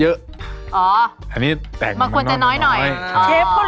อร่อยจริงออร่อยจริงอ